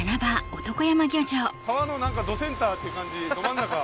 川のどセンターって感じど真ん中。